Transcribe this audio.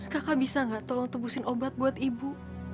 kakak bisa nggak tolong tebusin obat buat ibu